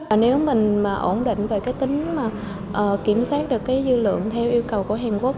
ổn định về tính kiểm soát được dư lượng theo yêu cầu của hàn quốc